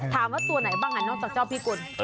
ถามว่าตัวไหนบ้างอ่ะนอกจากเจ้าพี่กุล